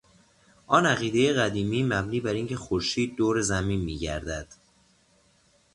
آن عقیدهی قدیمی مبنی براینکه خورشید دور زمین میگردد